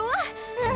うん。